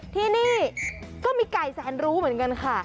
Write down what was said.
ที่นี่ก็มีไก่แสนรู้เหมือนกันค่ะ